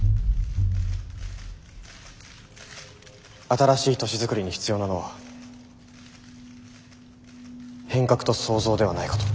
新しい都市づくりに必要なのは変革と創造ではないかと。